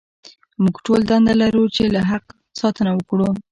موږ ټول دنده لرو چې له حق ساتنه وکړو.